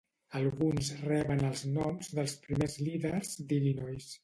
Alguns reben els noms dels primers líders d'Illinois.